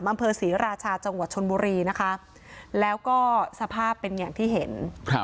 อำเภอศรีราชาจังหวัดชนบุรีนะคะแล้วก็สภาพเป็นอย่างที่เห็นครับ